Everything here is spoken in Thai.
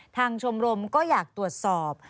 ชมรมก็อยากตรวจสอบ